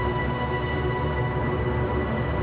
โปรดติดตามตอนต่อไป